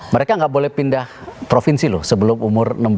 mereka nggak boleh pindah provinsi loh sebelum umur enam belas